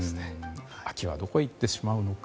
秋はどこへ行ってしまうのか。